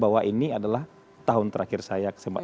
bahwa ini adalah tahun terakhir saya